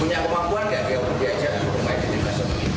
punya kemampuan enggak dia perlu diajak ke rumah itu juga